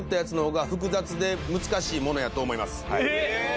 えっ⁉